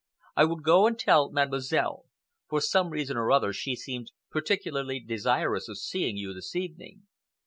"I will go and tell Mademoiselle. For some reason or other she seemed particularly desirous of seeing you this evening.